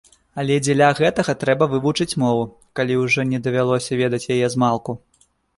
Але дзеля гэтага трэба вывучыць мову, калі ўжо не давялося ведаць яе змалку.